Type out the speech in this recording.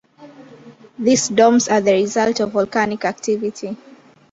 These domes are the result of volcanic activity.